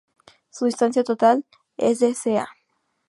Su distancia total es de "ca.